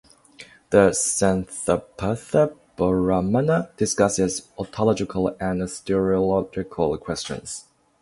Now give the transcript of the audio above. The Shathapatha Brahmana discusses ontological and soteriological questions.